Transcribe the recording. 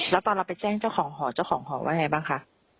แล้วตอนเราไปแจ้งเจ้าของหอเจ้าของหอว่าไงบ้างคะ